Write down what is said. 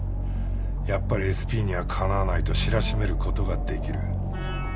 やっぱりＳＰには敵わないと知らしめる事が出来る。